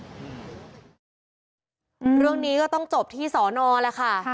เรื่องนี้ก็ต้องจบที่สอนอแล้วค่ะ